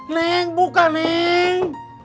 neng buka neng